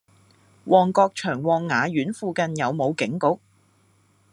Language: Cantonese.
旺角長旺雅苑附近有無警局？